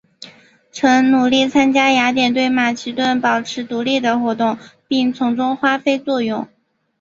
曾努力参加雅典对马其顿保持独立的活动并从中发挥作用。